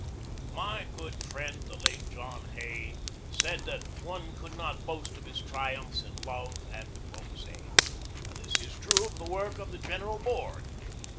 My good friend the late John Hay said that one could not boast of his triumphs in love and di plomacy. This is true of the work of the General Board.